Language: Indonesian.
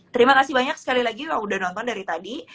terima kasih banyak sekali lagi yang udah nonton dari tadi